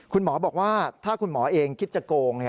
คุณหมอบอกว่าถ้าคุณหมอเองคิดจะโกง